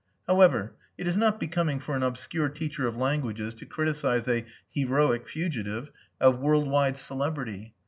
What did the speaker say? However, it is not becoming for an obscure teacher of languages to criticize a "heroic fugitive" of worldwide celebrity.